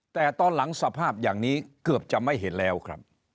แต่ตอนหลังสภาพอย่างนี้เกือบจะไม่เห็นแล้วครับ